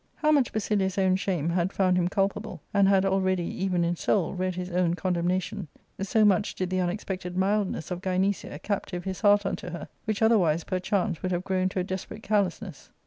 How much Basilius' own shame had found him culpable, and had already, even in soul, read his own con demnation, so much did the unexpected mildness of Gynecia captive his heart unto her, which otherwise, perchance, would have grown to a desperate carelessness.